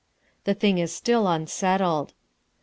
The thing is still unsettled.